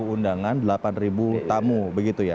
undangan delapan tamu begitu ya